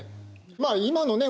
まあ今のね